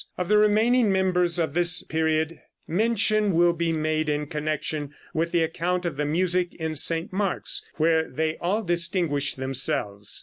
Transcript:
Of the remaining members of this period mention will be made in connection with the account of the music in St. Mark's, where they all distinguished themselves.